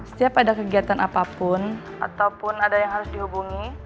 setiap ada kegiatan apapun ataupun ada yang harus dihubungi